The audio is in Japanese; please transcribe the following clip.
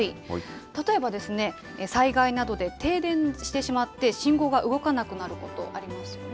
例えば、災害などで停電してしまって、信号が動かなくなることありますよね。